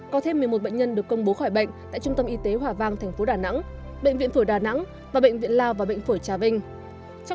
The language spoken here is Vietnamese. có thêm một mươi một bệnh nhân được công bố khỏi bệnh tại trung tâm y tế hòa vang tp đà nẵng bệnh viện phổi đà nẵng và bệnh viện lao và bệnh phổi trà vinh